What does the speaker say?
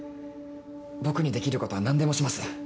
僕にできることは何でもします。